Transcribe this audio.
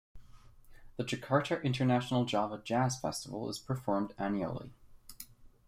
The Jakarta International Java Jazz Festival is performed annually.